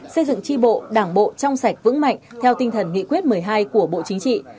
xây dựng tri bộ đảng bộ trong sạch vững mạnh theo tinh thần nghị quyết một mươi hai của bộ chính trị